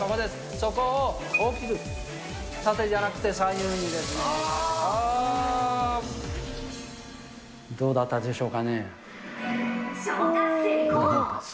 そこを大きく、縦じゃなくて、左右にです。